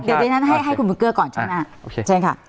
เดี๋ยวนั้นให้คุณมึงเกลือก่อนใช่ไหม